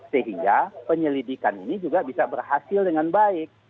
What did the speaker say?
sehingga penyelidikan ini juga bisa berhasil dengan baik